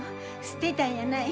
捨てたんやない。